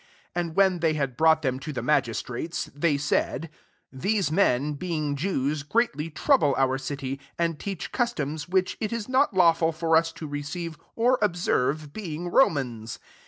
9Q And when they had brought them to the magistrates, they said, <V These men, being Jews, greatly trouble our city; ^1 and teach customs which it is not lawful for us to receive, or ob serve, being Romans."